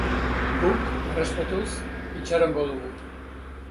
Guk, errespetuz, itxarongo dugu.